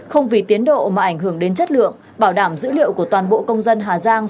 không vì tiến độ mà ảnh hưởng đến chất lượng bảo đảm dữ liệu của toàn bộ công dân hà giang